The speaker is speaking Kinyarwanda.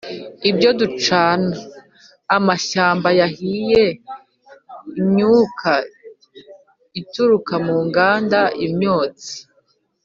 y'ibyo ducana: amashyamba yahiye, imyuka ituruka mu nganda, imyotsi